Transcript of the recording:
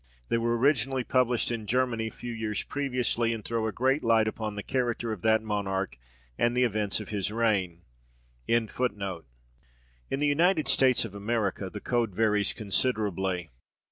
They were originally published in Germany a few years previously, and throw a great light upon the character of that monarch and the events of his reign. In the United States of America the code varies considerably.